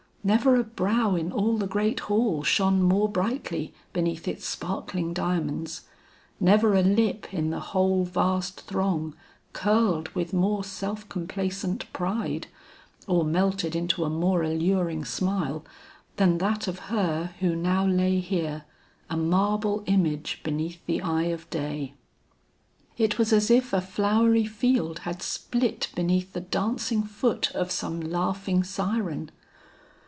Never a brow in all the great hall shone more brightly beneath its sparkling diamonds; never a lip in the whole vast throng curled with more self complacent pride, or melted into a more alluring smile, than that of her who now lay here, a marble image beneath the eye of day. It was as if a flowery field had split beneath the dancing foot of some laughing siren.